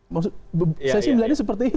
maksud saya milihannya seperti itu